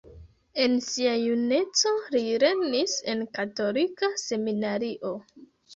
En sia juneco, li lernis en katolika seminario.